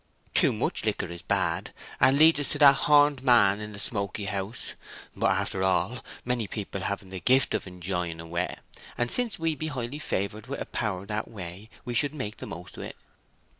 Too much liquor is bad, and leads us to that horned man in the smoky house; but after all, many people haven't the gift of enjoying a wet, and since we be highly favoured with a power that way, we should make the most o't."